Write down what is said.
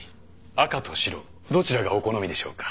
赤と白どちらがお好みでしょうか？